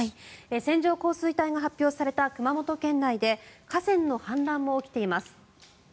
線状降水帯が発表された熊本県内で河川の氾濫も起きています。